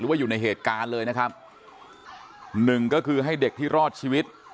ว่าอยู่ในเหตุการณ์เลยนะครับหนึ่งก็คือให้เด็กที่รอดชีวิต